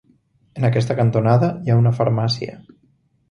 En aquesta cantonada hi ha una farmàcia.